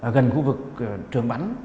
gần khu vực trường bắn